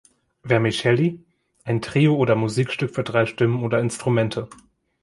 Vermicelli Ein Trio oder Musikstück für drei Stimmen oder Instrumente